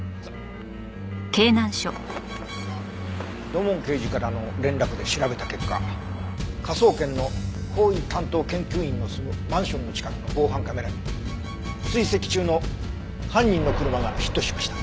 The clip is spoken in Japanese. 土門刑事からの連絡で調べた結果科捜研の法医担当研究員の住むマンションの近くの防犯カメラに追跡中の犯人の車がヒットしました。